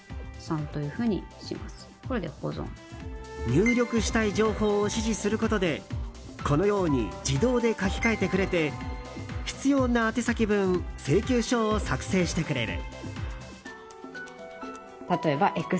入力したい情報を指示することでこのように自動で書き換えてくれて必要な宛先分請求書を作成してくれる。